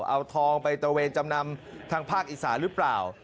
เอาทองไปตระเวนจำนำทางภาคอีสานหรือเปล่า